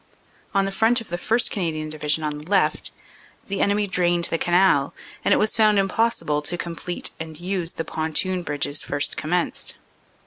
On the Front of the 1st. Canadian Divi sion on the left the enemy drained the Canal, and it was found impossible to complete and use the pontoon bridges first com menced.